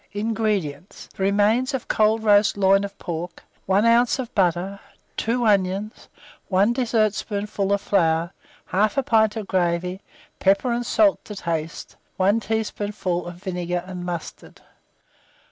INGREDIENTS. The remains of cold roast loin of pork, 1 oz. of butter, 2 onions, 1 dessertspoonful of flour, 1/2 pint of gravy, pepper and salt to taste, 1 teaspoonful of vinegar and mustard.